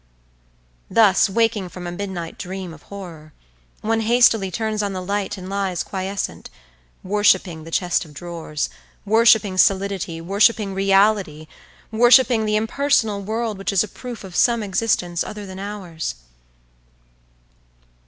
Thus, waking from a midnight dream of horror, one hastily turns on the light and lies quiescent, worshipping the chest of drawers, worshipping solidity, worshipping reality, worshipping the impersonal world which is a proof of some existence other than ours.